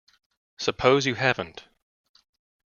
Suppose you haven't?